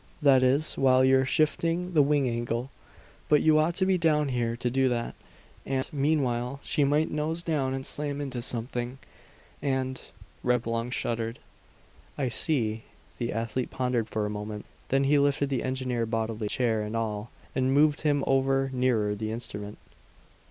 That is, while you're shifting the wing angle. But you ought to be down here to do that; and, meanwhile, she might nose down and slam into something, and " Reblong shuddered. "I see." The athlete pondered for a moment. Then he lifted the engineer bodily, chair and all, and moved him over nearer the instrument.